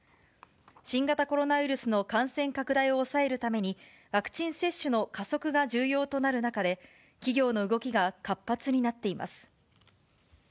新型コロナウイルスの感染拡大を抑えるために、ワクチン接種の加速が重要となる中で、企業の動きが活発になっています。